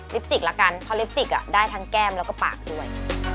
สิกละกันเพราะลิปสิกได้ทั้งแก้มแล้วก็ปากด้วย